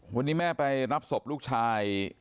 วันนี้แม่ไปรับศพลูกชาย